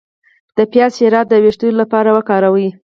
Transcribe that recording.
د پیاز شیره د ویښتو لپاره وکاروئ